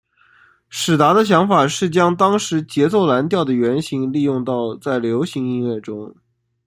史达的想法是将当时节奏蓝调的原型利用到在流行音乐中。